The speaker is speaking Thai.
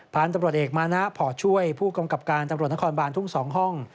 พันธุ์ตำรวจเอกมานะพอช่วยผู้กำกับการตำรวจนครบานทุ่ง๒ห้อง